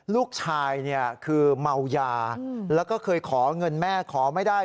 ลูกชายเนี่ยคือเมายาแล้วก็เคยขอเงินแม่ขอไม่ได้